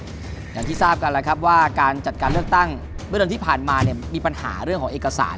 อย่างที่ทราบกันแล้วครับว่าการจัดการเลือกตั้งเมื่อเดือนที่ผ่านมาเนี่ยมีปัญหาเรื่องของเอกสาร